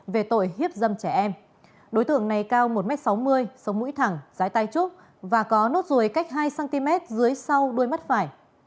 về tội hiếp dâm trẻ em đối tượng này cao một m sáu mươi sống mũi thẳng trái tay trúc và có nốt ruồi cách hai cm dưới sau đuôi mắt phải